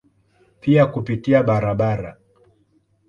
Pia kupitia barabara.